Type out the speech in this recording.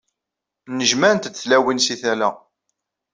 Nnejmaɛent-d tlawin si tala.